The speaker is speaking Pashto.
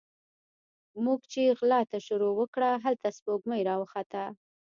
موږ چې غلا ته شروع وکړه، هلته سپوږمۍ راوخته